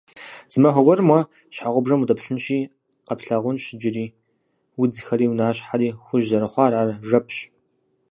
Зы махуэ гуэр уэ щхьэгъубжэм удэплъынщи къэплъагъунщ щӏыри, удзхэри, унащхьэри хужь зэрыхъуар, ар жэпщ.